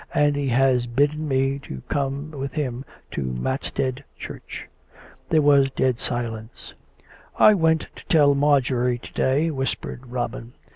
And he has bidden me to come with him to Matstead Church." There was dead silence. " I went to tell Marjorie to day," whispered Robin.